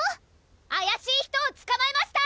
⁉あやしい人をつかまえました！